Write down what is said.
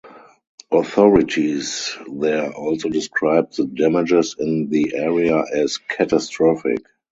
Authorities there also described the damages in the area as "catastrophic".